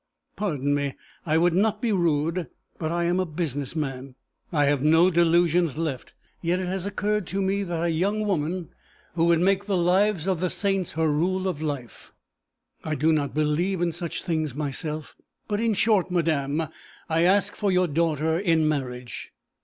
Pardon me, I would not be rude, but I am a business man. I have no delusions left, yet it has occurred to me that a young woman who would make the lives of the saints her rule of life I do not believe in such things myself, but in short, madam, I ask for your daughter in marriage.'